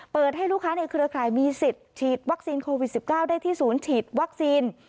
ให้ลูกค้าในเครือข่ายมีสิทธิ์ฉีดวัคซีนโควิด๑๙ได้ที่ศูนย์ฉีดวัคซีน